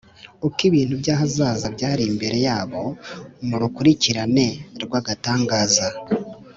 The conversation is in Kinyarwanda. . Uko ibintu by’ahazaza byari imbere yabo mu rukurikirane rw’agatangaza